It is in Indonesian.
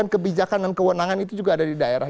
kebijakan dan kewenangan itu juga ada di daerah